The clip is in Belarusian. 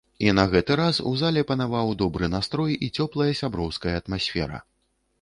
І на гэты раз у зале панаваў добры настрой і цёплая сяброўская атмасфера.